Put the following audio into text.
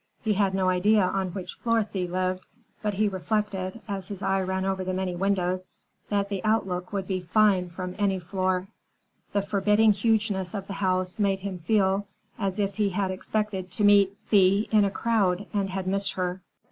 He had no idea on which floor Thea lived, but he reflected, as his eye ran over the many windows, that the outlook would be fine from any floor. The forbidding hugeness of the house made him feel as if he had expected to meet Thea in a crowd and had missed her.